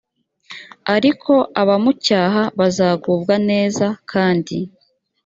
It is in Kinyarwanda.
ariko abamucyaha bazagubwa neza kandi